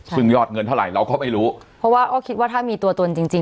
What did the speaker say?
ซึ่งยอดเงินเท่าไหร่เราก็ไม่รู้เพราะว่าก็คิดว่าถ้ามีตัวตนจริงจริง